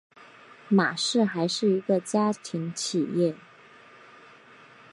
玛氏还是一个家庭企业。